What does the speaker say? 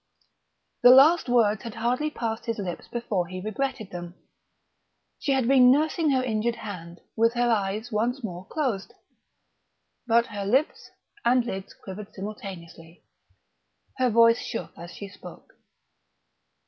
The last words had hardly passed his lips before he regretted them. She had been nursing her injured hand, with her eyes once more closed; but her lips and lids quivered simultaneously. Her voice shook as she spoke.